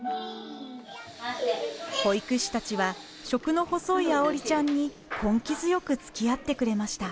保育士たちは食の細い愛織ちゃんに根気強く付き合ってくれました。